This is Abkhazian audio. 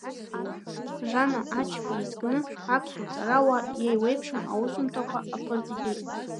Жана Ачба изкны аԥсуа ҵарауаа иеиуеиԥшым аусумҭақәа аԥырҵахьеит.